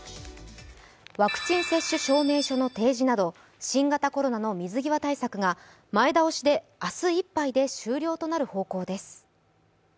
ワクチン接種証明書の提示など新型コロナの水際対策が前倒しで明日いっぱいで終了となる方向です。